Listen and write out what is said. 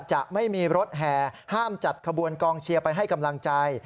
จะไม่มีรถแห่ห้ามจัดขบวนกองเชียร์ไปให้กำลังใจ